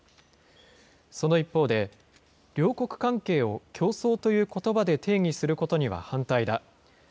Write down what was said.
その一方で、両国関係を競争ということばで定義することには反対だ。